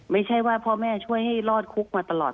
ไม่ใช่ว่าพ่อแม่ช่วยให้รอดคุกมาตลอด